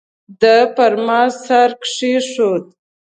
ده پر ما سر کېښود.